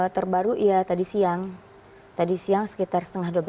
terbaru ya tadi siang tadi siang sekitar dua belas tiga puluh